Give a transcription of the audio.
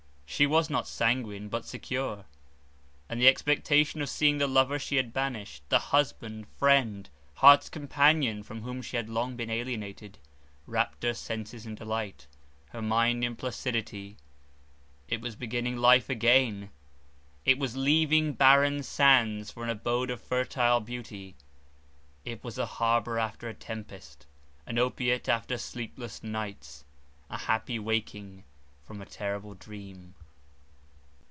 She was not sanguine, but secure; and the expectation of seeing the lover she had banished, the husband, friend, heart's companion from whom she had long been alienated, wrapt her senses in delight, her mind in placidity. It was beginning life again; it was leaving barren sands for an abode of fertile beauty; it was a harbour after a tempest, an opiate after sleepless nights, a happy waking from a terrible dream.